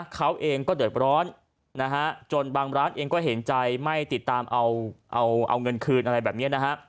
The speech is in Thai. เขาเองก็เดือดร้อนนะฮะจนบางร้านเองก็เห็นใจไม่ติดตามเอาเงินคืนอะไรแบบนี้นะฮะ